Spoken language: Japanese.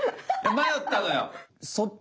迷ったのよ！